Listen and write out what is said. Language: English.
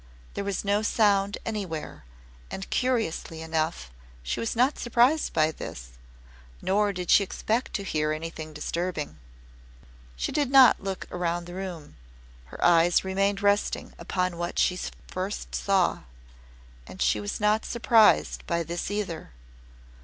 There was no sound anywhere and, curiously enough, she was not surprised by this, nor did she expect to hear anything disturbing. She did not look round the room. Her eyes remained resting upon what she first saw and she was not surprised by this either.